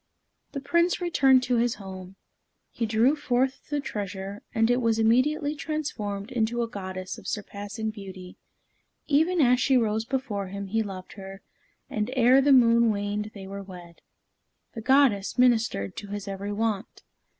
The Prince returned to his home. He drew forth the treasure, and it was immediately transformed into a goddess of surpassing beauty. Even as she rose before him, he loved her, and ere the moon waned they were wed. The goddess ministered to his every want.